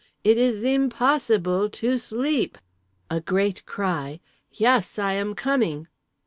_ It is im pos si ble to sleep!" A great cry: "Yes! I am coming!"